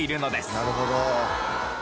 なるほど。